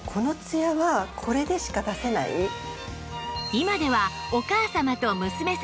今ではお母様と娘さん